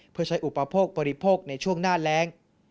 เพื่อใช้อุปโภคบริโภคในช่วงหน้าแรง